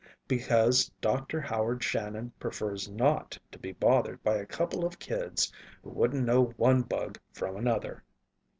Because Dr. Howard Shannon prefers not to be bothered by a couple of kids who wouldn't know one bug from another."